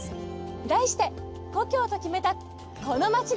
題して「故郷と決めたこの町で」。